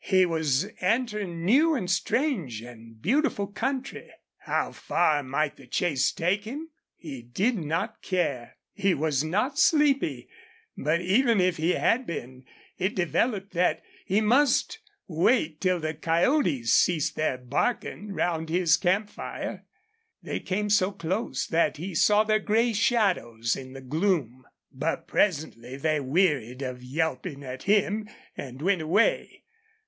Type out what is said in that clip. He was entering new and strange and beautiful country. How far might the chase take him? He did not care. He was not sleepy, but even if he had been it developed that he must wait till the coyotes ceased their barking round his camp fire. They came so close that he saw their gray shadows in the gloom. But presently they wearied of yelping at him and went away.